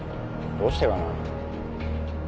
どうしてかな？